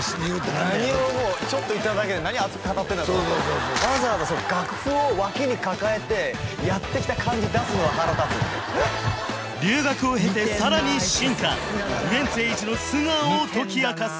何をもうちょっと行っただけで何を熱く語ってんだ？とわざわざ楽譜を脇に抱えてやってきた感じ出すのは腹立つって留学をへてさらに進化ウエンツ瑛士の素顔を解き明かす